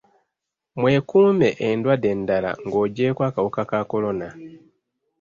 Mwekuume endwadde endala ng'oggyeko akawuka ka kolona.